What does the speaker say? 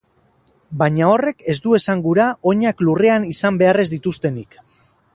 Baina horrek ez du esan gura oinak lurrean izan behar ez dituztenik.